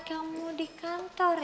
kamu di kantor